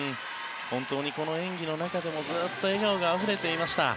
この演技の中でもずっと笑顔があふれていました。